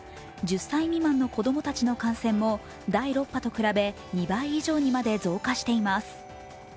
１０歳未満の子供たちの感染も第６波と比べ２倍以上にまで増加しています。